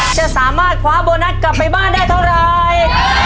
จะสามารถคว้าโบนัสกลับไปบ้านได้เท่าไร